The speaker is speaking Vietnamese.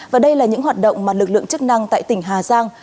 và đây là những hoạt động mà lực lượng chức năng tại tỉnh hà giang